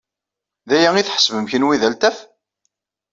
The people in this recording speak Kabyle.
D aya ay tḥesbem kenwi d altaf?